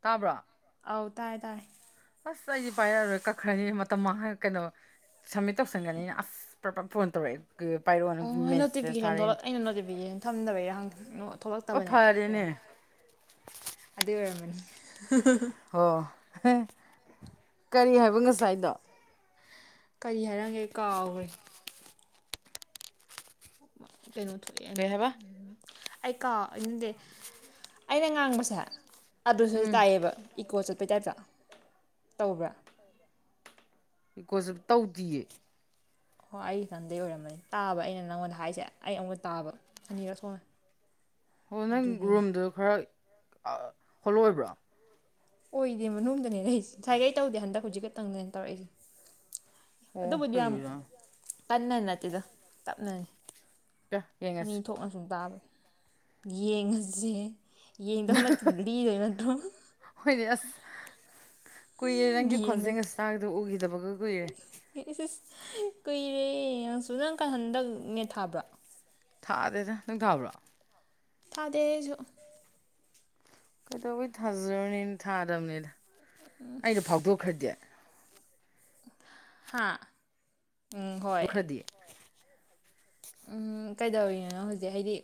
ꯇꯥꯕ꯭ꯔꯣ? ꯑꯧ ꯇꯥꯏ ꯇꯥꯔꯦ ꯑꯁ ꯑꯩꯗꯤ ꯄꯥꯏꯔꯛꯑꯔꯣꯏ ꯀꯛꯈ꯭ꯔꯅꯤ ꯃꯇꯝ ꯃꯥꯡꯍꯟ ꯀꯩꯅꯣ ꯁꯞꯃꯤꯠ ꯇꯧꯁꯟꯒꯅꯤꯅ ꯑꯁ ꯄ꯭ꯔꯞ ꯄ꯭ꯔꯞ ꯐꯣꯟ ꯇꯧꯔꯛꯏ ꯒꯥ ꯄꯥꯏꯔꯣꯟ ꯑꯣ ꯅꯣꯇꯤꯐꯤꯀꯦꯁꯟ ꯊꯣꯂꯛ ꯑꯩꯅ ꯅꯣꯇꯤꯐꯤꯀꯦꯁꯟ ꯊꯝꯗꯕꯩꯔ ꯍꯪ ꯅꯣ ꯊꯣꯛꯂꯛꯇꯕꯅꯦ ꯑꯗꯨꯅꯦ ꯑꯗꯨꯏ ꯑꯣꯏꯔꯝꯃꯅꯤ [unintelligible] ꯍꯣ [unintelligible] ꯀꯔꯤ ꯍꯥꯏꯕ ꯉꯁꯥꯏꯗꯣ? ꯀꯔꯤ ꯍꯥꯏꯔꯝꯒꯦ ꯀꯥꯎꯈ꯭ꯔꯦ ꯀꯩꯅꯣ ꯊꯣꯛꯑꯦ ꯑꯅꯤ [unintelligible] ꯑꯩ ꯀꯥꯎ ꯑꯩ ꯅꯟꯇꯦ ꯑꯩꯅ ꯉꯥꯡꯕꯁꯦ ꯑꯗꯨꯁꯨ ꯇꯥꯏꯌꯦꯕ ꯏꯀꯣ ꯆꯠꯄꯩ ꯇꯥꯏꯞꯇ ꯇꯧꯕ꯭ꯔꯥ? ꯏꯀꯣ ꯖꯞ ꯇꯧꯗꯤꯌꯦ ꯍꯣꯏ ꯑꯩ ꯟꯗꯩ ꯑꯣꯏꯔꯝꯃꯅꯤ ꯇꯥꯕ ꯑꯩꯅ ꯅꯪꯉꯣꯟꯗ ꯍꯥꯏꯁꯦ ꯑꯩ [unintelligible] ꯇꯥꯕ ꯑꯅꯤꯔꯛ ꯊꯣꯛꯅ ꯑꯣ ꯅꯪ ꯔꯨꯝꯗꯣ ꯈꯔ ꯍꯣꯂꯣ ꯑꯣꯏꯕ꯭ꯔꯣ ꯑꯣꯏꯗꯦ ꯃꯅꯨꯡꯗꯅꯦ ꯂꯩꯁꯦ ꯉꯁꯥꯏꯈꯩ ꯇꯧꯗꯦ ꯍꯟꯗꯛ ꯍꯧꯖꯤꯛ ꯈꯛꯇꯪꯗꯅ ꯇꯧꯔꯛꯏꯁꯦ ꯑꯗꯨꯕꯨꯗꯤ ꯌꯥꯝ ꯀꯟꯅ ꯅꯠꯇꯦꯗ ꯇꯞꯅꯅꯤ ꯑꯅꯤ ꯊꯣꯛꯅ ꯁꯨꯝ ꯇꯥꯕ ꯌꯦꯡꯉꯁꯦ ꯌꯦꯡꯗꯣ ꯅꯠꯇꯦ ꯂꯤꯗꯣꯏ ꯅꯠꯇ꯭ꯔꯣ ꯍꯣꯏꯅꯦ ꯑꯁ ꯀꯨꯏꯔꯦ ꯅꯪꯒꯤ ꯈꯣꯟꯖꯦꯜꯒꯁꯦ ꯇꯥꯗ ꯎꯈꯤꯗꯕꯒ ꯀꯨꯏꯔꯦ [unintelligible] ꯀꯨꯏꯔꯦ ꯅꯪꯁꯨ ꯅꯪ ꯀꯩ ꯍꯟꯗꯛ ꯅꯦꯠ ꯊꯥꯕ꯭ꯔꯣ ꯊꯥꯗꯦꯗ ꯅꯪ ꯊꯥꯕ꯭ꯔꯣ ꯊꯥꯗꯦ ꯑꯩꯁꯨ ꯀꯩꯗꯧꯕꯩ ꯊꯥꯖꯔꯨꯅꯤꯅ ꯊꯥꯗꯕꯅꯤꯗ ꯑꯩꯅ ꯐꯥꯎꯗꯣꯛꯈ꯭ꯔꯗꯤ ꯍꯥꯥ ꯎꯝ ꯍꯣꯏ ꯎꯝ ꯀꯩꯗꯧꯔꯤꯅꯣ ꯅꯪ ꯍꯧꯖꯤꯛ ꯍꯥꯏꯗꯤ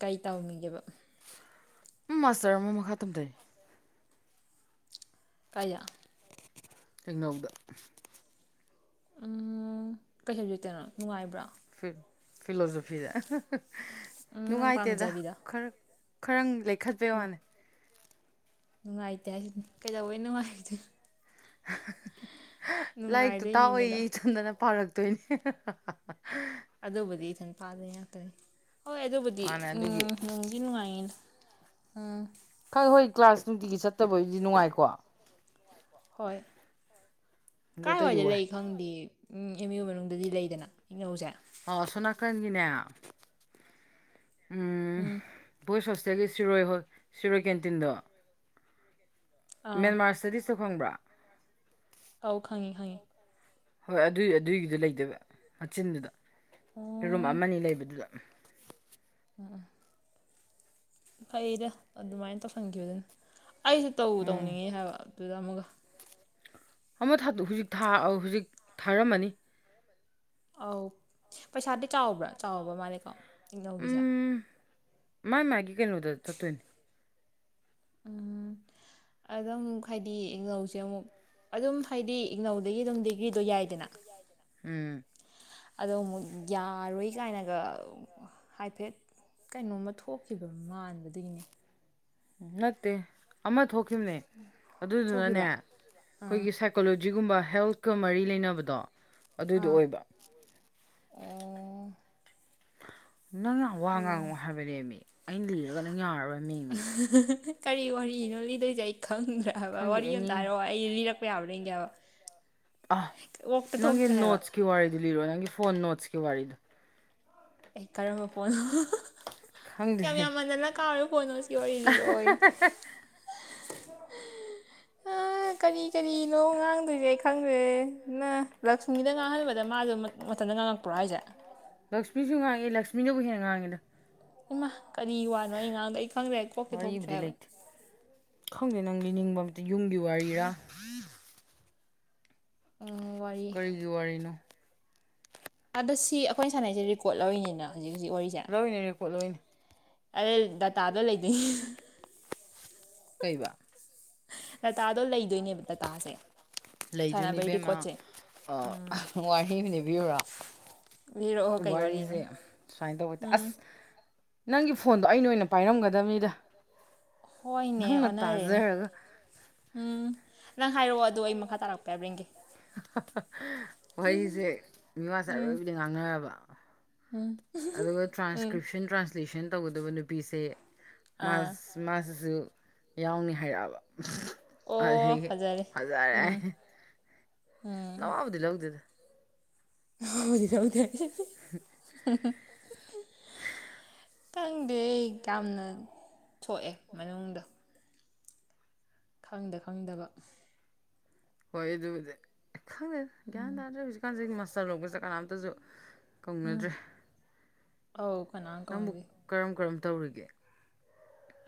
ꯀꯩ ꯇꯝꯃꯤꯒꯦꯕ ꯎꯝ ꯃꯥꯁꯇꯔ ꯑꯃꯨꯛ ꯃꯈꯥ ꯇꯝꯗꯔꯤ ꯀꯥꯏꯗ ꯊꯦꯡꯅꯧꯗ ꯎꯝ ꯀꯩ ꯁꯕꯖꯦꯛꯇꯅꯣ ꯅꯨꯡꯉꯥꯏꯕ꯭ꯔꯥ ꯐꯤ ꯐꯤꯂꯣꯖꯣꯐꯤꯗ ꯅꯨꯡꯉꯥꯏꯇꯦꯗ ꯈꯔ ꯈꯔ ꯂꯩꯈꯠꯄꯩ ꯋꯥꯅꯤ ꯅꯨꯡꯉꯥꯏꯇꯦ ꯍꯥꯏꯁꯤꯅꯤ ꯀꯩꯗꯧꯕꯩ ꯅꯨꯡꯉꯥꯏꯇ꯭ꯔꯤꯅꯣ ꯂꯥꯏꯔꯤꯛꯇꯨ ꯇꯥꯛꯑꯣꯏ [unintelligible] ꯄꯥꯔꯛꯇꯣꯏꯅꯦ ꯑꯗꯨꯕꯨꯗꯤ ꯏꯊꯟ ꯄꯥꯗꯣꯏ ꯉꯥꯛꯇꯅꯤ ꯍꯣꯏ ꯑꯗꯨꯕꯨꯗꯤ ꯎꯝ ꯅꯨꯡꯗꯤ ꯅꯨꯡꯉꯥꯏꯅꯤꯗ ꯈꯪ ꯍꯣꯏ ꯀ꯭ꯂꯥꯁ ꯅꯨꯡꯇꯤꯒꯤ ꯆꯠꯇꯕꯩꯕꯨꯗꯤ ꯅꯨꯡꯉꯥꯏꯀꯣ ꯍꯣꯏ ꯀꯥꯏ ꯋꯥꯏꯗ ꯂꯩ ꯈꯪꯗꯦ ꯑꯦꯝ ꯌꯨ ꯃꯅꯨꯡꯗꯗꯤ ꯂꯩꯗꯅ ꯏꯉꯧꯁꯦ ꯑꯣ ꯑꯁꯣꯝ ꯅꯥꯀꯟꯒꯤꯅꯦ ꯎꯝ ꯚꯣꯏꯁ ꯍꯣꯁꯇꯦꯜꯒꯤ ꯁꯤꯔꯣꯏ ꯍꯣ ꯁꯤꯔꯣꯏ ꯀꯦꯟꯇꯤꯟꯗꯣ ꯃꯦꯟꯃꯥꯔꯁꯤꯗꯤꯁꯨ ꯈꯪꯕ꯭ꯔꯥ ꯑꯥꯎ ꯈꯪꯉꯤ ꯈꯪꯉꯤ ꯍꯣꯏ ꯑꯗꯨꯏ ꯑꯗꯨꯒꯤꯗꯨ ꯂꯩꯗꯣꯏꯕ ꯃꯆꯤꯟꯗꯨꯗ ꯔꯨꯝ ꯑꯃꯅꯤ ꯂꯩꯕꯗꯨꯗ [unintelligible] ꯐꯩꯗ ꯑꯗꯨꯃꯥꯏꯅ ꯇꯧꯁꯟꯈꯤꯕꯗꯨꯅ ꯑꯩꯁꯨ ꯇꯧ ꯇꯧꯅꯤꯡꯉꯤ ꯍꯥꯏꯕ ꯑꯗꯨꯗ ꯑꯃꯨꯛꯀ ꯑꯃ ꯊꯥꯗꯣꯛ ꯍꯧꯖꯤꯛ ꯊꯥ ꯍꯧꯖꯤꯛ ꯊꯥꯔꯝꯃꯅꯤ ꯑꯧ ꯄꯩꯁꯥꯗꯤ ꯆꯥꯎꯕ꯭ꯔꯥ ꯆꯥꯎꯕ ꯃꯥꯜꯂꯦꯀꯣ ꯏꯅꯧꯒꯤꯁꯦ ꯃꯥꯥꯏ ꯃꯥꯒꯤ ꯀꯩꯅꯣꯗ ꯆꯠꯇꯣꯏꯅꯤ [inaudible] ꯑꯗ ꯑꯃꯨꯛ ꯍꯥꯏꯗꯤ ꯏꯉꯧꯁꯦ ꯑꯃꯨꯛ ꯑꯗꯨꯝ ꯍꯥꯏꯗꯤ ꯏꯅꯧꯗꯒꯤ ꯑꯗꯨꯝ ꯗꯤꯒ꯭ꯔꯤꯗꯣ ꯌꯥꯏꯗꯅ [unintelligible] ꯎꯝ ꯑꯗꯣ ꯑꯃꯨꯛ ꯌꯥꯔꯣꯏ ꯀꯥꯏꯅꯒ ꯍꯥꯏꯐꯦꯠ ꯀꯩꯅꯣꯝꯃ ꯊꯣꯛꯈꯤꯕ ꯃꯥꯟꯕ ꯑꯗꯨꯒꯤꯅꯦ ꯎꯝ ꯅꯠꯇꯦ ꯑꯃ ꯊꯣꯛꯈꯤꯕꯅꯦ ꯑꯗꯨꯗꯨꯅꯅꯦ ꯑꯩꯈꯣꯏꯒꯤ ꯁꯛ ꯁꯥꯏꯀꯣꯂꯣꯖꯤꯒꯨꯝꯕ ꯍꯦꯜꯠꯀ ꯃꯔꯤ ꯂꯩꯅꯕꯗꯣ ꯑꯗꯨꯏꯗꯣ ꯑꯣꯏꯕ ꯅꯪ ꯌꯥꯝ ꯋꯥ ꯉꯥꯡꯉꯨ ꯍꯥꯏꯕꯅꯦꯃꯤ ꯑꯩꯅ ꯂꯤꯔꯒ ꯅꯪ ꯌꯥꯔꯣꯏ [unintelligible] [unintelligible] ꯀꯔꯤ ꯋꯥꯔꯤꯅꯣ ꯂꯤꯗꯣꯏꯁꯦ ꯑꯩ ꯈꯪꯗ꯭ꯔꯦ ꯍꯥꯏꯕ ꯋꯥꯔꯤ ꯑꯝꯇꯥ ꯍꯥꯏꯔꯣ ꯍꯥꯏ ꯑꯩ ꯔꯤꯔꯛꯄ ꯌꯥꯕ꯭ꯔ ꯌꯦꯡꯒꯦ ꯍꯥꯏꯕ ꯑꯥ ꯅꯪꯒꯤ ꯅꯣꯠꯁꯀꯤ ꯋꯥꯔꯤꯗꯨ ꯂꯤꯔꯣ ꯅꯪꯒꯤ ꯐꯣꯟ ꯅꯣꯠꯁꯀꯤ ꯋꯥꯔꯤꯗꯣ ꯑꯦ ꯀꯥꯔꯝꯕ ꯐꯣꯟ [unintelligible] ꯆꯥꯝ ꯌꯥꯝꯃꯟꯗꯅ ꯀꯥꯎꯔꯦ ꯐꯣꯟ ꯅꯣꯠꯁ [unintelligible] ꯋꯥꯔꯤ ꯂꯤ [unintelligible] ꯑꯣꯌꯦ [inaudible] ꯑꯥ ꯀꯔꯤ ꯀꯔꯤꯅꯣ ꯉꯥꯡꯗꯣꯏꯁꯦ ꯑꯩ ꯈꯪꯗ꯭ꯔꯦ ꯑꯦ ꯅꯪ ꯂꯛꯁꯃꯤꯒꯤꯗ ꯉꯥꯡꯍꯟꯕꯗ ꯃꯥꯗꯨ ꯃꯊꯟꯗ ꯉꯥꯡꯉꯛꯄ꯭ꯔꯣ ꯍꯥꯏꯖꯦ? ꯂꯛꯁꯃꯤꯁꯨ ꯉꯥꯡꯉꯦ ꯂꯛꯁꯃꯤꯅꯕꯨ ꯍꯦꯟꯅ ꯉꯥꯡꯉꯦꯗ ꯑꯣꯏꯃꯥ ꯀꯔꯤ ꯋꯥꯅꯣ ꯑꯩ ꯉꯡꯗꯣꯏ ꯑꯩ ꯈꯪꯗ꯭ꯔꯦ ꯑꯩ ꯀꯣꯛꯇꯦ ꯊꯣꯛꯇ꯭ꯔꯦ ꯍꯥꯏꯕ ꯈꯪꯗꯦ ꯅꯪ ꯂꯤꯅꯤꯡꯕ ꯑꯝꯇ ꯌꯨꯝꯒꯤ ꯋꯥꯔꯤꯔꯥ ꯀꯔꯤꯒꯤ ꯋꯥꯔꯤꯅꯣ? ꯑꯗꯣ ꯁꯤ ꯑꯩꯈꯣꯏ ꯁꯥꯟꯅꯩꯁꯦ ꯔꯤꯀꯣꯔꯠ ꯂꯧꯔꯤꯅꯤꯅ ꯍꯧꯖꯤꯛ ꯍꯧꯖꯤꯛ ꯋꯥꯔꯤꯁꯦ ꯂꯧꯋꯤꯅꯦ ꯔꯤꯀꯣꯔꯗ ꯂꯧꯋꯤꯅꯦ [unintelligible] ꯗꯥꯇꯥꯗꯣ ꯂꯩꯗꯣꯏ [unintelligible] ꯀꯩꯕ? ꯗꯇꯥꯗꯣ ꯂꯩꯗꯣꯏꯅꯦꯕ ꯗꯇꯥꯁꯦ ꯂꯩꯗꯣꯏꯅꯦ ꯏꯕꯦꯝꯃ ꯑꯥ [unintelligible] ꯋꯥꯔꯤ ꯑꯝ ꯂꯤꯕꯨꯏꯔꯣ? ꯋꯥꯔꯤꯖꯦ ꯁꯨꯃꯥꯏ ꯇꯧꯕꯇꯥ ꯑꯁ ꯅꯪꯒꯤ ꯐꯣꯟꯗꯣ ꯑꯩꯅ ꯑꯣꯏꯅ ꯄꯥꯏꯔꯝꯒꯗꯅꯤꯗ ꯅꯪꯅ ꯇꯥꯖꯔꯒ ꯎꯝ ꯅꯪ ꯍꯥꯏꯔꯛꯑꯣ ꯑꯗꯣ ꯑꯩ ꯃꯈꯥ ꯇꯥꯔꯛꯄ ꯌꯕ꯭ꯔꯥ ꯌꯦꯡꯒꯦ ꯍꯥ ꯍꯥ ꯍꯥ ꯋꯥꯍꯩꯖꯦ ꯃꯤꯋꯥꯁꯦ ꯑꯔꯣꯏꯕꯤꯗ ꯉꯥꯡꯅꯔꯕ ꯑꯗꯨꯒ ꯇ꯭ꯔꯥꯟꯁ꯭ꯀ꯭ꯔꯤꯞꯁꯟ ꯇ꯭ꯔꯥꯟꯁ꯭ꯂꯦꯁꯟ ꯇꯧꯒꯗꯕ ꯅꯨꯄꯤꯁꯦ ꯃꯥꯁ ꯃꯥꯁꯤꯁꯨ ꯌꯥꯎꯅꯤ ꯍꯥꯏꯔꯛꯑꯕ [unintelligible] ꯑꯗꯒꯤ ꯑꯣ ꯐꯖꯔꯦ ꯅꯋꯥꯕꯨꯗꯤ ꯂꯧꯗꯦꯗꯥ ꯅꯋꯥꯕꯨꯗꯤ ꯂꯧꯗꯦ ꯍꯥꯏ [unintelligible] ꯈꯪꯗꯦ ꯌꯥꯝꯅ ꯊꯣꯛꯑꯦ ꯃꯅꯨꯡꯗꯣ ꯈꯪꯗ ꯈꯪꯗꯕ ꯍꯣꯏ ꯑꯗꯨꯕꯨꯗꯤ ꯈꯪꯗꯦꯗ ꯒ꯭ꯌꯥꯟ ꯇꯥꯗ꯭ꯔꯦ ꯍꯧꯖꯤꯛꯀꯥꯟꯁꯦ ꯃꯥꯁꯇꯔ ꯂꯧꯕ ꯆꯠ ꯀꯥꯅꯝꯇꯁꯨ ꯀꯧꯅꯗ꯭ꯔꯦ ꯑꯧ ꯀꯅꯥꯝ ꯀꯧꯅꯗꯦ ꯀꯔꯝ ꯀꯔꯝ ꯇꯧꯔꯤꯒꯦ?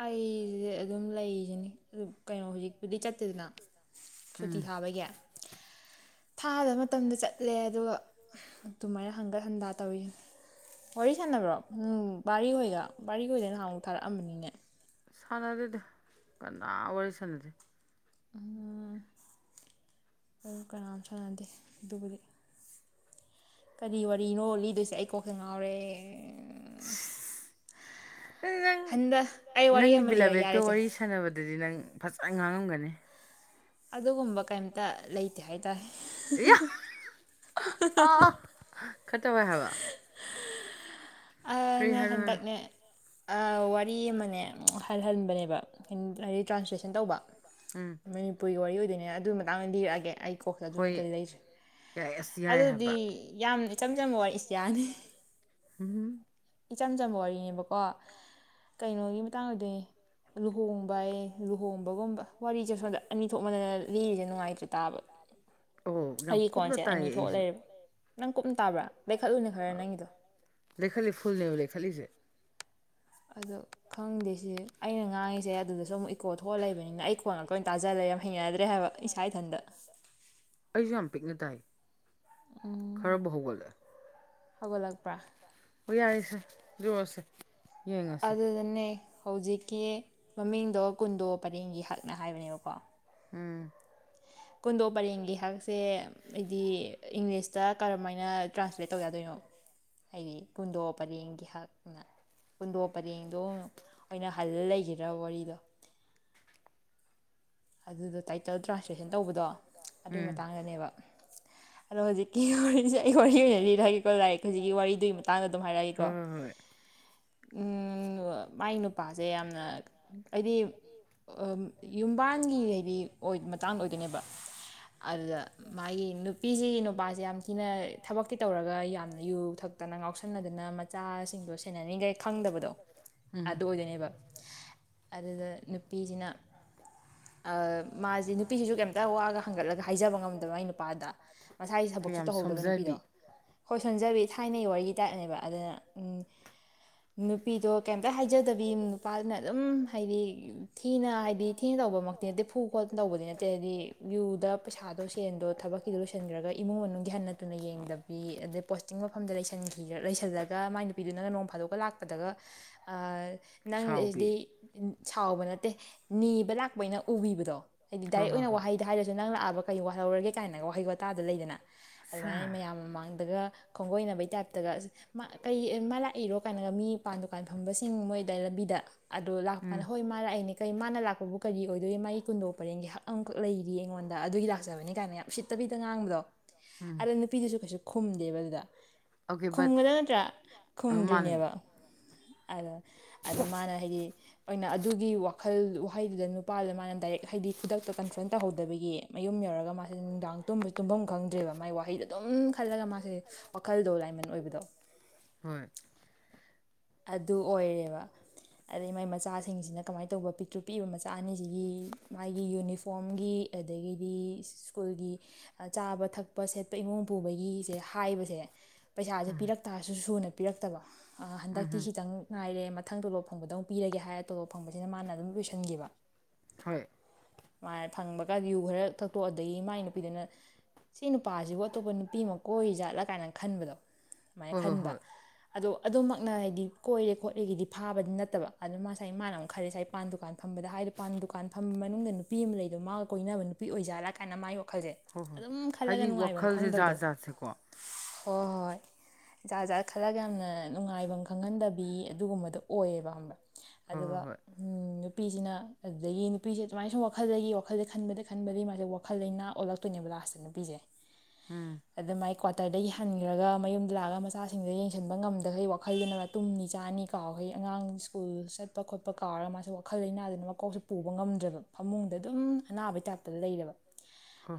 ꯑꯩ ꯁꯤꯁꯦ ꯑꯗꯨꯝ ꯂꯩꯁꯤꯅꯤ ꯑꯗꯨ ꯀꯩꯅꯣ ꯍꯧꯖꯤꯛ ꯄꯨꯗꯤ ꯆꯠꯇꯦꯗꯅ ꯁꯨꯇꯤ ꯊꯥꯕꯒꯦ ꯊꯥꯗ ꯃꯇꯝꯗ ꯆꯠꯂꯦ ꯑꯗꯨꯒ ꯑꯗꯨꯃꯥꯏꯅ ꯍꯪꯒꯠ ꯍꯟꯗꯥ ꯇꯧꯔꯤ꯫ ꯋꯥꯔꯤ ꯁꯥꯟꯅꯕ꯭ꯔꯣ? [unintelligible] ꯕꯥꯔꯤ ꯍꯣꯏꯒ ꯕꯥꯔꯤ ꯍꯣꯏꯗ ꯅꯍꯥꯟ ꯃꯨꯛ ꯊꯥꯔꯛꯑꯝꯕꯅꯤꯅꯦ ꯁꯥꯟꯅꯗꯦꯗꯤ ꯀꯅꯥ ꯋꯥꯔꯤ ꯁꯥꯟꯅꯗꯦ ꯎꯝ ꯑꯣ ꯀꯅꯥꯝ ꯁꯥꯟꯅꯗꯦ ꯑꯗꯨꯕꯨꯗꯤ ꯀꯔꯤ ꯋꯥꯔꯤꯅꯣ ꯂꯤꯗꯣꯏꯁꯦ ꯑꯩ ꯀꯣꯛꯁꯦ ꯉꯥꯎꯔꯦ ꯁꯤꯁ [unintelligible] ꯅꯪ ꯅꯪꯒꯤ ꯕꯤꯂꯥꯚꯦꯠꯀꯤ ꯋꯥꯔꯤ ꯁꯥꯟꯅꯕꯗꯨꯗꯤ ꯅꯪ ꯐꯖꯟ ꯉꯥꯡꯉꯝꯒꯅꯤ ꯑꯗꯨꯒꯨꯝꯕ ꯀꯩꯝꯇꯥ ꯂꯩ ꯇꯦ ꯍꯥꯏꯇꯥꯔꯦ [unintelligible] ꯑ ꯅꯦ ꯍꯟꯗꯛꯅꯦ ꯋꯥꯔꯤ ꯑꯃꯅꯦ ꯍꯜꯍꯟꯕꯅꯦꯕ ꯍꯥꯏꯗꯤ ꯇ꯭ꯔꯥꯟꯁꯂꯦꯁꯟ ꯇꯧꯕ ꯎꯝ ꯃꯅꯤꯄꯨꯔꯤꯒꯤ ꯋꯥꯔꯤ ꯑꯣꯏꯗꯣꯏꯅꯤ ꯑꯗꯨꯒꯤ ꯃꯇꯥꯡꯗ ꯂꯤꯔꯛꯑꯒꯦ ꯑꯩ ꯀꯣꯛꯁꯤꯗ ꯑꯗꯨ ꯅꯠꯇ꯭ꯔꯗꯤ ꯂꯩꯇ꯭ꯔꯦ ꯑꯗꯨꯗꯤ ꯌꯥꯝꯅ ꯏꯆꯝ ꯆꯝꯕ ꯋꯥ ꯏꯇꯤꯌꯥꯅꯤ ꯑꯝꯍꯨꯝ ꯏꯆꯝ ꯆꯝꯕ ꯋꯥꯔꯤꯅꯦꯕꯀꯣ ꯀꯩꯅꯣꯒꯤ ꯃꯇꯥꯡ ꯑꯣꯢꯗꯨꯢꯅꯦ ꯂꯨꯍꯣꯡꯕ ꯍꯥꯏ ꯂꯨꯍꯣꯡꯕꯒꯨꯝꯕ ꯋꯥꯔꯤꯁꯦ ꯁꯣꯝꯗ ꯑꯅꯤ ꯊꯣꯛꯃꯥꯟꯗꯅ ꯂꯤꯔꯤꯁꯦ ꯅꯨꯡꯉꯥꯏꯇ꯭ꯔꯦ ꯇꯥꯕ ꯑꯩꯒꯤ ꯀꯣꯟꯁꯦ ꯑꯅꯤ ꯊꯣꯛꯑ ꯂꯩꯔꯦ ꯅꯪ ꯀꯨꯞꯅ ꯇꯥꯕ꯭ꯔꯥ ꯂꯩꯈꯠꯂꯨꯅꯦ ꯈꯔ ꯅꯪꯒꯤꯗꯣ ꯂꯩꯈꯠꯜꯂꯤ ꯐꯨꯜꯅꯦꯕ ꯂꯩꯈꯠꯜꯂꯤꯁꯦ ꯑꯗꯣ ꯈꯪꯗꯦ ꯁꯤ ꯑꯩꯅ ꯉꯥꯡꯉꯤꯁꯦ ꯑꯗꯨꯗꯁꯨ ꯑꯃꯨꯛ ꯏꯀꯣ ꯊꯣꯛꯑ ꯂꯩꯕꯅꯤꯅ ꯑꯩ ꯈꯣꯟ ꯑꯩꯈꯣꯟ ꯇꯥꯖ ꯂꯩꯔꯦ ꯌꯥꯝ ꯍꯩꯅꯗ꯭ꯔꯦ ꯍꯥꯏꯕ ꯏꯁꯥ ꯏꯊꯟꯇ ꯑꯩꯁꯨ ꯌꯥꯝ ꯄꯤꯛꯅ ꯇꯥꯏ ꯈꯔꯕꯨ ꯍꯧꯒꯠꯂꯛꯑꯦ ꯍꯧꯒꯠꯂꯛꯄ꯭ꯔꯥ ꯍꯣꯢꯏ ꯌꯥꯏꯔꯦꯁꯦ ꯂꯤꯂꯛꯑꯣ ꯁꯦ ꯑꯗꯨꯗꯅꯦ ꯍꯧꯖꯤꯛꯀꯤ ꯃꯃꯤꯡꯗꯣ ꯀꯨꯟꯗꯣ ꯄꯔꯦꯡꯒꯤ ꯍꯥꯢ ꯍꯥꯏꯕꯅꯦꯕꯀꯣ ꯎꯝ ꯀꯣꯟꯗꯣꯛ ꯄꯔꯦꯡꯒꯤ ꯍꯥꯢꯕꯁꯦ ꯑꯩꯗꯤ ꯏꯪꯂꯤꯁꯇ ꯀꯔꯝꯃꯥꯢꯅ ꯇ꯭ꯔꯥꯟꯁꯂꯦꯠ ꯇꯧ ꯌꯥꯗꯣꯏꯅꯣ ꯍꯥꯏꯗꯤ ꯀꯨꯟꯗꯣ ꯄꯔꯦꯡꯒꯤ ꯍꯥꯢꯅ ꯀꯨꯟꯗꯣ ꯄꯔꯦꯡꯗꯣ ꯑꯣꯏꯅ ꯍꯜꯂ ꯂꯩꯒꯤꯗ꯭ꯔꯕ ꯋꯥꯔꯤꯗꯣ ꯑꯗꯨꯗꯣ ꯇꯥꯏꯇꯜ ꯇ꯭ꯔꯥꯟꯁꯂꯦꯁꯟ ꯇꯧꯕꯗꯣ ꯑꯗꯨꯒꯤ ꯃꯇꯥꯡꯗꯅꯦꯕ ꯑꯗꯣ ꯍꯧꯖꯤꯛ ꯋꯥꯔꯤꯁꯦ ꯑꯩ ꯋꯥꯔꯤ ꯑꯣꯏꯅ ꯂꯤꯔꯛꯑꯒꯦꯀꯣ ꯂꯥꯏꯔꯤꯛ ꯍꯧꯖꯤꯛꯀꯤ ꯋꯥꯔꯤꯗꯨꯒꯤ ꯃꯇꯥꯡꯗ ꯑꯗꯨꯝ ꯍꯥꯏꯔꯛꯑꯒꯦꯀꯣ ꯃꯥꯏ ꯅꯨꯄꯥꯁꯦ ꯌꯥꯝꯅ ꯑꯩꯗꯤ ꯌꯨꯝ ꯃꯕꯥꯥꯟꯒꯤ ꯍꯥꯢꯗꯤ ꯑꯣꯏ ꯃꯇꯥꯡꯗ ꯑꯣꯏꯗꯣꯏꯅꯦꯕ ꯑꯗꯨꯗ ꯃꯥꯒꯤ ꯅꯨ ꯅꯨꯄꯤꯁꯤꯒꯤ ꯅꯨꯄꯥꯁꯤ ꯌꯥꯝ ꯊꯤꯅ ꯊꯕꯛꯇꯤ ꯇꯧꯔꯒ ꯌꯥꯝꯅ ꯌꯨ ꯊꯛꯇꯅ ꯉꯥꯎꯁꯟꯅꯗꯅ ꯃꯆꯥꯁꯤꯡꯗꯣ ꯁꯦꯟꯅꯅꯤꯡꯉꯩ ꯈꯪꯗꯕꯗꯣ ꯑꯗꯨ ꯑꯣꯏꯗꯣꯏꯅꯦꯕ ꯑꯗꯨꯗ ꯅꯨꯄꯤꯁꯤꯅ ꯃꯥꯁꯦ ꯅꯨꯄꯤꯁꯤꯁꯨ ꯀꯩꯝꯇ ꯋꯥꯒ ꯍꯪꯒꯠꯂꯒ ꯍꯥꯏꯖꯕ ꯉꯝꯗꯕ ꯃꯥꯢ ꯅꯨꯄꯥꯗ ꯃꯁꯥꯒꯤ ꯊꯕꯛꯁꯨ ꯇꯧꯍꯧꯗꯕ ꯅꯨꯄꯤꯗꯣ ꯍꯣꯏ ꯁꯣꯟꯖꯕꯤ ꯊꯥꯏꯅꯒꯤ ꯋꯥꯔꯤꯒꯤ ꯇꯥꯏꯞꯅꯦꯕ ꯑꯗꯨꯅ ꯎꯝ ꯅꯨꯄꯤꯗꯣ ꯀꯩꯝꯇ ꯍꯥꯏꯖꯗꯕꯤ ꯅꯨꯄꯥꯗꯨꯅ ꯑꯗꯨꯝ ꯍꯥꯏꯗꯤ ꯊꯤꯅ ꯍꯥꯏꯗꯤ ꯊꯤꯅ ꯇꯧꯕ ꯃꯛꯇꯤ ꯅꯠꯇꯦ ꯐꯨ ꯈꯣꯠꯇꯅ ꯇꯧꯕꯗꯤ ꯅꯠꯇꯦ ꯍꯥꯏꯗꯤ ꯌꯨ ꯗꯥ ꯄꯩꯁꯥꯗꯣ ꯊꯕꯛ ꯗꯨ ꯂꯣꯏꯁꯤꯟꯈ꯭ꯔꯒ ꯏꯃꯨꯡ ꯃꯅꯨꯡꯒꯤ ꯍꯟꯅ ꯇꯨꯅ ꯌꯦꯡꯗꯕꯤ ꯑꯗꯩ ꯄꯣꯁꯇꯤꯡ ꯃꯐꯝꯗ ꯂꯩꯁꯤꯜꯂꯒ ꯃꯥꯥꯏ ꯄꯤꯗꯨꯅꯒ ꯅꯣꯡ ꯐꯥꯗꯣꯛꯒ ꯂꯥꯛꯄꯗꯒ ꯅꯪꯗꯤ ꯁꯥꯎꯕ ꯅꯠꯇꯦ ꯅꯤꯕ ꯂꯥꯛꯄ ꯑꯣꯢꯅ ꯎꯕꯤꯕꯗꯣ ꯍꯥꯏꯗꯤ ꯗꯥꯏꯔꯦꯛ ꯑꯣꯏꯅ ꯋꯥꯍꯩꯗ ꯍꯥꯏꯗꯔꯁꯨ ꯅꯪ ꯂꯥꯛꯑꯕ ꯀꯩ ꯋꯥꯍꯧꯔꯒꯦ ꯀꯥꯏꯅꯒ ꯋꯥꯍꯩ ꯋꯥꯇꯥꯗ ꯂꯩꯗꯅ ꯑꯗꯨꯃꯥꯏꯅ ꯃꯌꯥꯝ ꯃꯃꯥꯡꯗꯒ ꯈꯣꯡꯒꯣꯏꯅꯕꯩ ꯇꯥꯏꯞꯇꯒ ꯑꯁ ꯀꯩ ꯃꯥ ꯂꯥꯛꯏꯔꯣ ꯀꯥꯏꯅꯒ ꯃꯤꯄꯥꯟ ꯗꯨꯀꯥꯟ ꯐꯝꯕꯁꯤꯡ ꯃꯣꯏꯗ ꯂꯝꯕꯤꯗ ꯑꯗꯣ ꯂꯥꯛꯄ ꯀꯥꯟꯗ ꯍꯣꯏ ꯃꯥ ꯂꯥꯛꯏꯅꯦ ꯀꯩ ꯃꯥꯅ ꯂꯥꯛꯄꯕꯨ ꯀꯔꯤ ꯑꯣꯏꯗꯣꯏ ꯃꯥꯒꯤ ꯀꯨꯟꯗꯣ ꯄꯔꯦꯡꯒꯤ ꯍꯛ ꯑꯃꯈꯛ ꯂꯩꯔꯤ ꯑꯩꯉꯣꯟꯗ ꯑꯗꯨꯒꯤ ꯂꯥꯛꯆꯕꯅꯦ ꯀꯥꯏꯅ ꯌꯥꯝ ꯎꯁꯤꯠꯇꯕꯤꯗ ꯉꯥꯡꯕꯗꯣ ꯑꯗꯣ ꯅꯨꯄꯤꯗꯨꯁꯨ ꯀꯩꯁꯨ ꯈꯨꯝꯗꯦꯕ ꯑꯗꯨꯗ ꯈꯨꯝꯒꯗ ꯅꯠꯇ꯭ꯔꯥ ꯈꯨꯝꯗꯔꯤꯅꯦꯕ ꯑꯗ ꯑꯗ ꯃꯥꯅ ꯍꯥꯏꯗꯤ ꯑꯗꯨꯒꯤ ꯋꯥꯈꯜ ꯋꯥꯍꯩꯗꯨ ꯑꯗꯨꯗ ꯅꯨꯄꯥꯗꯨ ꯃꯥꯅ ꯗꯥꯏꯔꯦꯛ ꯍꯥꯏꯗꯤ ꯈꯨꯗꯛꯇ ꯀꯟꯗ꯭ꯔꯣꯜ ꯇꯧꯍꯧꯗꯕꯒꯤ ꯃꯌꯨꯝ ꯌꯧꯔꯒ ꯃꯥ ꯃꯥꯁꯦ ꯅꯨꯡꯗꯥꯡ ꯇꯨꯝꯕꯁ ꯇꯨꯝꯐꯝ ꯈꯪꯗ꯭ꯔꯦꯕ ꯃꯥꯥꯏ ꯋꯥꯍꯩꯗꯣ ꯑꯗꯨꯝ ꯈꯜꯂꯒ ꯃꯥꯁꯦ ꯋꯥꯈꯜꯗꯣ ꯂꯥꯏꯃꯟ ꯑꯣꯏꯕꯗꯣ ꯍꯣꯏ ꯑꯗꯨ ꯑꯣꯏꯔꯦꯕ ꯑꯗꯩ ꯃꯥꯒꯤ ꯃꯆꯥꯁꯤꯡꯁꯤꯅ ꯀꯃꯥꯏꯅ ꯇꯧꯕ ꯄꯤꯛꯇꯨ ꯄꯤꯛꯏꯕ ꯃꯆꯥ ꯑꯅꯤꯁꯤꯒꯤ ꯃꯥꯒꯤ ꯌꯨꯅꯤꯐꯣꯔꯝꯒꯤ ꯑꯗꯒꯤꯗꯤ ꯁ꯭ꯀꯨꯜꯒꯤ ꯆꯥꯕ ꯊꯛꯄ ꯁꯦꯠꯄ ꯏꯃꯨꯡ ꯄꯨꯕꯒꯤꯁꯦ ꯍꯥꯏꯕꯁꯦ ꯄꯩꯁꯥꯁꯦ ꯄꯤꯔꯛꯇꯥꯔꯁꯨ ꯁꯨꯅ ꯄꯤꯔꯛꯇꯕ ꯍꯟꯗꯛ ꯈꯤꯇꯪ ꯉꯥꯏꯔꯦ ꯃꯊꯪ ꯇꯣꯂꯣꯞ ꯐꯪꯕꯗ ꯄꯤꯔꯒꯦ ꯍꯥꯏꯔ ꯇꯣꯂꯣꯞ ꯐꯪꯕꯁꯤꯅ ꯃꯥꯅ ꯑꯗꯨꯝ ꯂꯣꯏꯁꯤꯟꯈꯤꯕ ꯍꯣꯏ ꯃꯥ ꯐꯪꯕ ꯀꯥꯟꯗ ꯌꯨ ꯈꯔ ꯊꯛꯇꯣꯛ ꯑꯗꯒꯤ ꯃꯥꯏ ꯅꯨꯄꯤꯗꯅ ꯁꯤ ꯅꯨꯄꯥꯖꯤꯕꯨ ꯑꯇꯣꯞꯄ ꯅꯨꯄꯤ ꯑꯃ ꯀꯣꯏꯔꯤꯖꯥꯠꯂꯥ ꯀꯥꯏꯅ ꯈꯟꯕꯗꯣ ꯑꯗꯨꯃꯥꯏꯅ ꯈꯟꯕ ꯑꯗꯣ ꯑꯗꯨꯃꯛꯅ ꯍꯥꯏꯗꯤ ꯀꯣꯏꯔꯦ ꯈꯣꯠꯂꯦꯅꯗꯤ ꯐꯥꯕꯗꯤ ꯅꯠꯇꯕ ꯑꯗꯨꯅ ꯃꯥ ꯉꯁꯥꯏ ꯃꯥꯅ ꯑꯃꯨꯛ ꯈꯜꯂ‌ꯦ ꯉꯁꯥꯏ ꯄꯥꯟ ꯗꯨꯀꯥꯟ ꯐꯝꯕꯗ ꯍꯥꯏꯗꯤ ꯄꯥꯟ ꯗꯨꯀꯥꯟ ꯐꯝ ꯃꯅꯨꯡꯗ ꯅꯨꯄꯤ ꯑꯃ ꯂꯩꯗꯣ ꯃꯥꯒ ꯀꯣꯏꯅꯕ ꯅꯨꯄꯤ ꯑꯣꯏꯖꯥꯠꯂꯥ ꯀꯥꯏꯅ ꯃꯥꯒꯤ ꯋꯥꯈꯜꯖ‌ꯦ ꯑꯗꯨꯝ ꯈꯜꯂꯒ ꯅꯨꯡꯉꯥꯏꯕꯝ ꯈꯪꯗꯕꯗꯣ ꯍꯣꯏ ꯍꯣꯏ ꯖꯥꯠ ꯖꯥꯠ ꯈꯜꯂꯒ ꯌꯥꯝꯅ ꯅꯨꯡꯉꯥꯏꯕꯝ ꯈꯪꯍꯟꯗꯕꯤ ꯑꯗꯨꯒꯨꯝꯕꯗꯣ ꯑꯣꯏꯌꯦꯕ ꯈꯪꯑꯕ ꯑꯗꯨꯒ ꯅꯨꯄꯤꯁꯤꯅ ꯑꯗꯨꯗꯒꯤ ꯅꯨꯄꯤꯁꯦ ꯑꯗꯨꯃꯥꯏ ꯁꯨꯝ ꯋꯥꯈꯜꯗꯒꯤ ꯋꯥꯈꯜꯁꯦ ꯈꯟꯕꯗ ꯈꯟꯕꯗꯒꯤ ꯃꯥꯁꯦ ꯋꯥꯈꯜ ꯂꯩꯅ ꯑꯣꯜꯂꯛ ꯇꯣꯏꯅꯦꯕ ꯂꯥꯁꯇ ꯅꯨꯄꯤꯁꯦ ꯎꯝ ꯑꯗ ꯃꯥꯏ ꯀ꯭ꯋꯥꯇꯔꯗꯒꯤ ꯍꯟꯈ꯭ꯔꯒ ꯃꯌꯨꯝꯗ ꯂꯥꯛꯑꯒ ꯃꯆꯥꯁꯤꯡꯗꯣ ꯌꯦꯡꯁꯤꯟꯕ ꯉꯝꯗꯈꯩ ꯋꯥꯈꯜ ꯋꯥꯈꯜꯗꯅ ꯇꯨꯝꯅꯤ ꯆꯥꯅꯤ ꯀꯥꯎꯈꯩ ꯑꯉꯥꯡ ꯁ꯭ꯀꯨꯜ ꯆꯠꯄ ꯈꯣꯠꯄ ꯀꯥꯎꯔꯒ ꯃꯥꯁꯦ ꯋꯥꯈꯜ ꯂꯩꯅꯥꯗꯨꯅ ꯃꯀꯣꯛꯁꯦ ꯄꯨꯕ ꯉꯝꯗ꯭ꯔꯦꯕ ꯐꯃꯨꯡꯗ ꯑꯗꯨꯝ ꯑꯅꯥꯕꯩ ꯇꯥꯏꯞꯇ ꯂꯩꯔꯦꯕ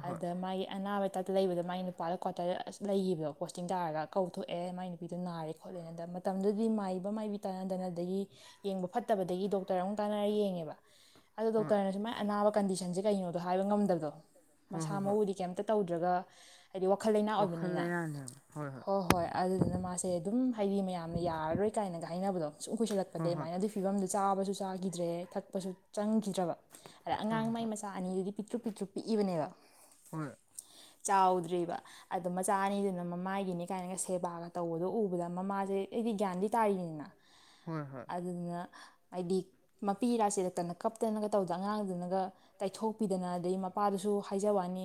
ꯑꯗ ꯃꯥꯒꯤ ꯑꯅꯥꯕꯩ ꯇꯥꯏꯞꯇ ꯂꯩꯕꯗꯣ ꯃꯥꯏ ꯅꯨꯄꯥꯗꯣ ꯀ꯭ꯋꯥꯇꯔꯗ ꯑꯗꯨꯝ ꯂꯩꯈꯤꯕꯗꯣ ꯄꯣꯁꯇꯤꯡ ꯇꯥꯔꯒ ꯀꯧꯊꯣꯛꯑꯦ ꯃꯥꯏ ꯅꯨꯄꯤꯗꯣ ꯅꯥꯔꯦ ꯈꯣꯠꯂꯦꯅ ꯃꯇꯝꯗꯨꯗꯤ ꯃꯥꯏꯕ ꯃꯥꯏꯕꯤ ꯇꯥꯟꯅꯗꯅ ꯑꯗꯒꯤ ꯌꯦꯡꯕ ꯐꯠꯇꯕꯗꯒꯤ ꯗꯣꯛꯇꯔ ꯑꯃꯨꯛ ꯇꯥꯟꯅꯔ ꯌꯦꯡꯉꯦꯕ ꯑꯗꯣ ꯗꯣꯛꯇꯔꯅꯗꯤ ꯃꯥꯏ ꯑꯅꯥꯕ ꯀꯟꯗꯤꯁꯟꯁꯦ ꯀꯩꯅꯣꯗꯣ ꯍꯥꯏꯕ ꯉꯝꯗꯕꯗꯣ ꯃꯁꯥ ꯃꯎꯨꯗꯤ ꯀꯩꯝ ꯀꯨꯝꯇ ꯇꯧꯗ꯭ꯔꯒ ꯍꯥꯏꯗꯤ ꯋꯥꯈꯜ ꯂꯩꯅꯥ ꯑꯣꯏꯕꯅꯤꯅ ꯍꯣꯏ ꯍꯣꯏ ꯑꯗꯨꯗꯨꯅ ꯃꯥꯁꯦ ꯑꯗꯨꯝ ꯍꯥꯏꯗꯤ ꯃꯌꯥꯝ ꯃꯌꯥꯝꯅ ꯌꯥꯔꯔꯣꯏ ꯀꯥꯏꯅꯒ ꯍꯥꯏꯅꯕꯗꯣ ꯁꯨꯝ ꯀꯨꯏꯁꯜꯂꯛꯄꯗꯩ ꯑꯗꯨꯃꯥꯢꯅ ꯐꯤꯕꯝꯗꯨ ꯆꯥꯕꯁꯨ ꯆꯥꯈꯤꯗ꯭ꯔꯦ ꯊꯥꯛꯄꯁꯨ ꯆꯪꯈꯤꯗ꯭ꯔꯕ ꯑꯗ ꯑꯉꯥꯡ ꯃꯥꯢ ꯃꯆꯥ ꯃꯆꯥ ꯑꯅꯤꯗꯨꯗꯤ ꯄꯤꯛꯇ꯭ꯔꯨ ꯄꯤꯛꯇ꯭ꯔꯨ ꯄꯤꯛꯢꯕꯅꯦꯕ ꯍꯣꯏ ꯆꯥꯎꯗ꯭ꯔꯤꯕ ꯑꯗꯨ ꯃꯆꯥ ꯑꯅꯤꯗꯨꯅ ꯃꯃꯥꯒꯤꯅꯦ ꯀꯥꯏꯅꯒ ꯁꯦꯕꯥꯒ ꯇꯧꯕꯗꯣ ꯎꯕꯗ ꯃꯃꯥꯁꯦ ꯍꯥꯢꯗꯤ ꯒ꯭ꯌꯥꯟꯗꯤ ꯇꯥꯔꯤꯅꯤꯗꯅ ꯍꯣꯏ ꯍꯣꯏ ꯑꯗꯨꯗꯨꯅ ꯍꯥꯏꯗꯤ ꯃꯄꯤ ꯏꯔꯥ ꯆꯤꯟꯂꯛꯇꯅ ꯀꯞꯇꯅꯒ ꯇꯧꯕꯗ ꯑꯉꯥꯡꯗꯨꯅꯒ ꯇꯩꯊꯣꯛꯄꯤꯗꯅ ꯑꯗꯩ ꯃꯄꯥꯗꯨꯁꯨ ꯍꯥꯏꯖꯕꯩ ꯋꯥꯅꯤ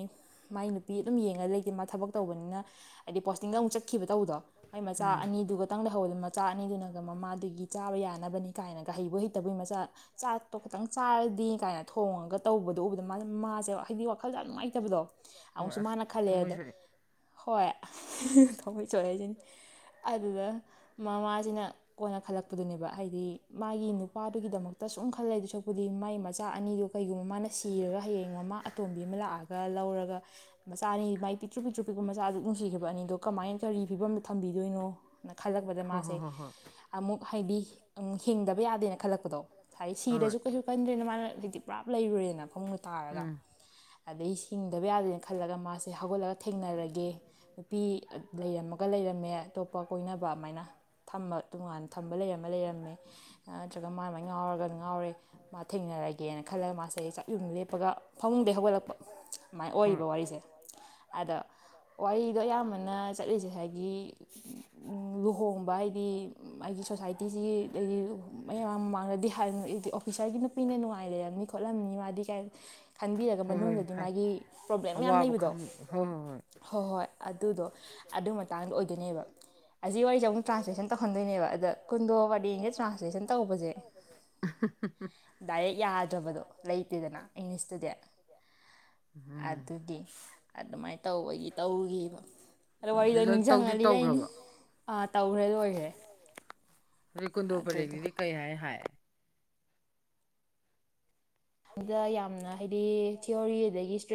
ꯃꯥꯏ ꯅꯨꯄꯤ ꯑꯗꯨꯝ ꯌꯦꯡꯉꯒ ꯂꯩꯗꯤ ꯃꯥ ꯊꯕꯛ ꯇꯧꯕꯅꯤꯅ ꯍꯥꯏꯗꯤ ꯄꯣꯁꯇꯤꯡꯗ ꯑꯃꯨꯛ ꯆꯠ ꯆꯠꯈꯤꯕ ꯇꯧꯕꯗꯣ ꯃꯥꯏ ꯃꯆꯥ ꯑꯅꯤꯗꯨꯒ ꯈꯤꯇꯪ ꯂꯩꯍꯧꯕꯗꯣ ꯃꯆꯥ ꯑꯅꯤꯗꯨꯅꯒ ꯃꯃꯥꯗꯨꯒꯤ ꯆꯥꯕ ꯌꯥꯅꯕꯅꯤ ꯀꯥꯏꯅꯒ ꯍꯩꯕꯣꯢ ꯍꯩꯇꯕꯣꯢ ꯃꯆꯥ ꯆꯥꯛꯇꯨ ꯈꯤꯇꯪ ꯆꯥꯔꯗꯤ ꯒꯥꯢꯅ ꯊꯣꯡꯉꯒ ꯇꯧꯕꯗꯣ ꯎꯕꯗ ꯃꯥ [unintelligible] ꯃꯥꯁꯦ ꯍꯥꯏꯗꯤ ꯋꯥꯈꯜꯗ ꯌꯥꯝ ꯅꯨꯡꯉꯥꯏꯇꯕꯗꯣ ꯑꯃꯨꯛꯁꯨ ꯃꯥꯟꯅ ꯈꯜꯂꯦꯗ ꯍꯣꯏ [unintelligible] ꯊꯃꯣꯏ ꯁꯣꯏ ꯍꯥꯏꯁꯤꯅꯤ ꯑꯗꯨꯗ ꯃꯃꯥꯁꯤꯅ ꯀꯣꯟꯅ ꯈꯜꯂꯛꯄꯗꯨꯅꯦꯕ ꯍꯥꯏꯗꯤ ꯃꯥꯒꯤ ꯅꯨꯄꯥꯗꯨꯒꯤꯗꯃꯛꯇ ꯁꯨꯝ ꯈꯜ ꯂꯩꯗꯣꯏ ꯁꯨꯛꯄꯨꯗꯤ ꯃꯥꯏ ꯃꯆꯥ ꯑꯅꯤꯗꯨ ꯀꯩꯒꯨꯝꯕ ꯃꯥꯅ ꯁꯤꯔꯒ ꯍꯌꯦꯡ ꯃꯃꯥ ꯑꯇꯣꯝꯕꯤ ꯑꯃ ꯂꯥꯛꯑꯒ ꯂꯧꯔꯒ ꯃꯆꯥ ꯑꯅꯤ ꯃꯥꯏ ꯄꯤꯛꯇ꯭ꯔꯨ ꯄꯤꯛꯇ꯭ꯔꯨ ꯄꯤꯛꯄ ꯃꯆꯥ ꯑꯗꯨꯛ ꯅꯨꯡꯁꯤꯈ꯭ꯔꯤꯕ ꯑꯅꯤꯗꯣ ꯀꯃꯥꯏꯅ ꯀꯔꯤ ꯐꯤꯕꯝꯗ ꯊꯕꯤꯗꯣꯏꯅꯣ ꯅꯥ ꯈꯜꯂꯛꯄꯗ ꯃꯥꯁꯦ ꯑꯃꯨꯛ ꯍꯥꯏꯗꯤ ꯎꯪ ꯍꯤꯡꯗꯕ ꯌꯥꯗꯦꯅ ꯈꯜꯂꯛ ꯄꯗꯣ ꯍꯥꯏꯁ ꯁꯤꯗ꯭ꯔꯁꯨ ꯀꯩꯁꯨ ꯀꯟꯗ꯭ꯔꯦꯅ ꯃꯥꯅ ꯍꯥꯏꯗꯤ ꯄꯨꯔꯥꯞ ꯂꯩꯔꯨꯔꯦꯗꯅ ꯐꯃꯨꯡꯗ ꯇꯥꯔꯒ ꯑꯗꯩ ꯍꯤꯡꯗꯕ ꯌꯥꯗꯦꯅ ꯈꯜꯂꯒ ꯃꯥꯁꯦ ꯍꯧꯒꯠꯂꯒ ꯊꯦꯡꯅꯔꯒꯦ ꯅꯨꯄꯤ [unintelligible] ꯂꯩꯔꯝꯃꯒ ꯂꯩꯔꯝꯃꯦ ꯑꯇꯣꯞꯄꯛ ꯑꯃꯥꯏꯅ ꯊꯝꯃꯠ ꯇꯣꯉꯥꯟ ꯊꯝꯕ ꯂꯩꯔꯝꯃ ꯂꯩꯔꯝꯃꯦ ꯑꯠꯇ꯭ꯔꯒ ꯃꯥꯥꯏ ꯃꯥꯏ ꯉꯥꯎꯔꯒꯅ ꯉꯥꯎꯔꯦ ꯃꯥ ꯊꯦꯡꯅꯔꯒꯦꯅ ꯈꯜꯂꯒ ꯃꯥꯁꯦ ꯆꯥꯄꯌꯨꯡꯅ ꯂꯦꯞꯄꯒ ꯐꯃꯨꯡꯗꯩ ꯍꯧꯒꯠꯂꯛꯄ ꯁꯨꯃꯥꯏ ꯑꯣꯏꯕ ꯋꯥꯔꯤꯁꯦ ꯑꯗꯥ ꯋꯥꯔꯤꯗꯣ ꯑꯌꯥꯝꯕꯅ ꯆꯠꯂꯤꯁꯦ ꯁꯥꯏꯒꯤ ꯎꯝ ꯂꯨꯍꯣꯡꯕ ꯍꯥꯏꯗꯤ ꯑꯩꯒꯤ ꯁꯣꯁꯥꯏꯇꯤꯁꯤꯒꯤ ꯂꯩꯔꯤꯕ ꯃꯌꯝ ꯃꯃꯥꯡꯗꯗꯤ ꯍꯥꯏ [unintelligible] ꯑꯩꯗꯤ ꯑꯣꯐꯤꯁꯥꯔꯒꯤ ꯅꯨꯞ ꯄꯤꯅ ꯅꯨꯡꯉꯥꯏ ꯂꯩꯔꯝꯅꯤ ꯈꯣꯠꯂꯝꯅꯤ ꯃꯥꯗꯤ ꯀꯩ ꯈꯟꯕꯤꯔꯒ ꯃꯅꯨꯡꯗꯗꯤ ꯃꯥꯒꯤ ꯄ꯭ꯔꯣꯕ꯭ꯂꯦꯝ ꯃꯌꯥꯝ ꯂꯩꯕꯗꯣ ꯍꯣ ꯍꯣꯏ ꯑꯗꯨꯗꯣ ꯑꯗꯨ ꯃꯇꯥꯡꯗ ꯑꯣꯏꯗꯣꯏꯅꯦꯕ ꯑꯖꯤ ꯋꯥꯔꯤ [unintelligible] ꯇ꯭ꯔꯥꯟꯁꯂꯦꯁꯟ ꯇꯧꯍꯟꯗꯣꯏꯅꯦꯕ ꯑꯗ ꯀꯨꯟꯗꯣ ꯋꯥꯔꯤꯡꯁꯦ ꯇ꯭ꯔꯥꯟꯁꯂꯦꯁꯟ ꯇꯧꯕꯖꯦ ꯗꯥꯏꯔꯦꯛ ꯌꯥꯗ꯭ꯔꯕꯗꯣ ꯂꯩꯇꯦꯗꯅ ꯏꯪꯂꯤꯁꯇꯗꯤ ꯑꯗꯨꯒꯤ ꯑꯗꯨꯃꯥꯏ ꯇꯧꯕꯒꯤ ꯇꯧꯒꯤꯕ ꯑꯗꯣ ꯋꯥꯔꯤꯗꯣ ꯑꯩ ꯅꯤꯡꯖꯪꯉꯥꯒ ꯂꯤꯔꯛꯏꯅꯤ ꯑꯥ ꯇꯧꯈ꯭ꯔꯦ ꯂꯣꯏꯈ꯭ꯔꯦ ꯑꯗꯩ ꯀꯨꯟꯗꯣ ꯄꯔꯦꯡꯁꯤꯗꯤ ꯀꯩ ꯍꯥꯏꯅ ꯍꯥꯏ? [unintelligible] ꯗ ꯌꯥꯝꯅ ꯍꯥꯏꯗꯤ ꯊ꯭ꯤꯌꯣꯔꯤ ꯑꯗꯒꯤ ꯁ꯭ꯔꯤꯞ